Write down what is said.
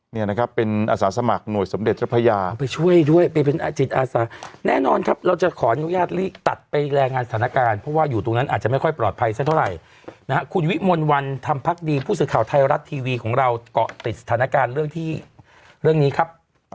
เนี่ยนะครับเป็นอาสาสมัครหน่วยสมเด็จเจ้าพระยาไปช่วยด้วยไปเป็นอาจิตอาสาแน่นอนครับเราจะขออนุญาตรีบตัดไปรายงานสถานการณ์เพราะว่าอยู่ตรงนั้นอาจจะไม่ค่อยปลอดภัยสักเท่าไหร่นะฮะคุณวิมลวันธรรมพักดีผู้สื่อข่าวไทยรัฐทีวีของเราเกาะติดสถานการณ์เรื่องที่เรื่องนี้ครับ